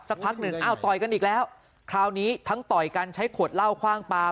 สักพักหนึ่งอ้าวต่อยกันอีกแล้วคราวนี้ทั้งต่อยกันใช้ขวดเหล้าคว่างปลา